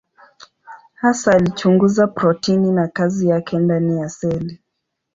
Hasa alichunguza protini na kazi yake ndani ya seli.